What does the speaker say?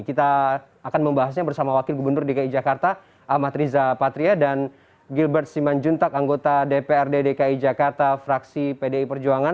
kita akan membahasnya bersama wakil gubernur dki jakarta ahmad riza patria dan gilbert simanjuntak anggota dprd dki jakarta fraksi pdi perjuangan